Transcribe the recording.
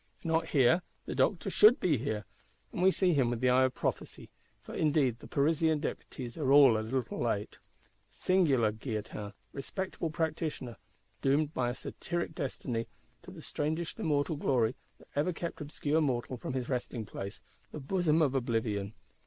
If not here, the Doctor should be here, and we see him with the eye of prophecy: for indeed the Parisian Deputies are all a little late. Singular Guillotin, respectable practitioner: doomed by a satiric destiny to the strangest immortal glory that ever kept obscure mortal from his resting place, the bosom of oblivion!